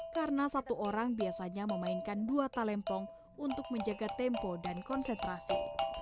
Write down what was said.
karena satu orang biasanya memainkan dua talempong untuk menjaga tempo dan konsentrasi